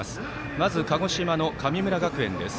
まず鹿児島の神村学園です。